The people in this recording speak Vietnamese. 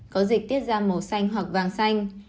có dịch tiết ra màu xanh hoặc vàng xanh